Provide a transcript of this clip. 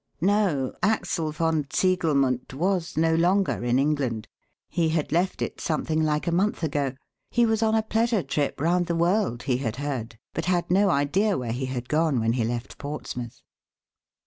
No, Axel von Ziegelmundt was no longer in England. He had left it something like a month ago. He was on a pleasure trip round the world, he had heard, but had no idea where he had gone when he left Portsmouth.